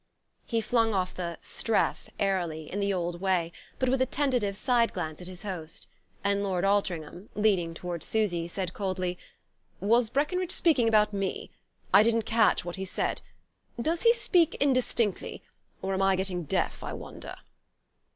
He flung off the "Streff" airily, in the old way, but with a tentative side glance at his host; and Lord Altringham, leaning toward Susy, said coldly: "Was Breckenridge speaking about me? I didn't catch what he said. Does he speak indistinctly or am I getting deaf, I wonder?"